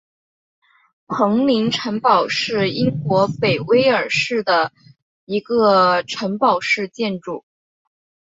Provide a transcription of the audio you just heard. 彭林城堡是英国北威尔士的一个城堡式建筑。